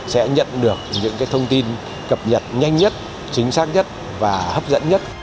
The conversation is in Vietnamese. sẽ nhận được những thông tin cập nhật nhanh nhất chính xác nhất và hấp dẫn nhất